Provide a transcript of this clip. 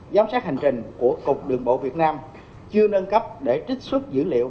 giám sát hành trình của cục đường bộ việt nam chưa nâng cấp để trích xuất dữ liệu